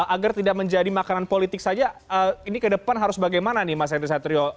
agar tidak menjadi makanan politik saja ini ke depan harus bagaimana nih mas henry satrio